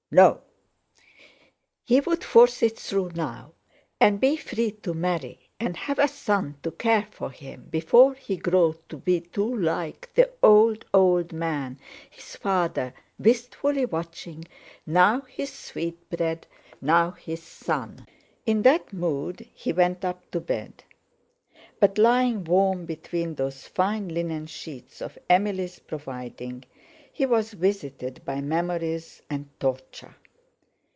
No! He would force it through now, and be free to marry, and have a son to care for him before he grew to be like the old old man his father, wistfully watching now his sweetbread, now his son. In that mood he went up to bed. But, lying warm between those fine linen sheets of Emily's providing, he was visited by memories and torture.